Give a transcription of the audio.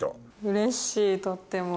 うれしいとっても。